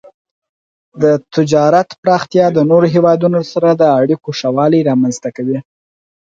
د تجارت پراختیا د نورو هیوادونو سره د اړیکو ښه والی رامنځته کوي.